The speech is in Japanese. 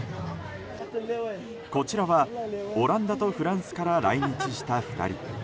こちらはオランダとフランスから来日した２人。